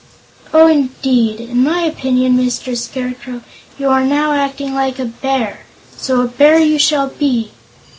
"Oh, indeed! In my opinion, Mr. Scarecrow, you are now acting like a bear so a Bear you shall be!"